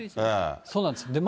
そうなんです。